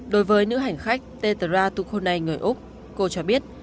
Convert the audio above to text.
đối với nữ hành khách tetra tukone người úc cô cho biết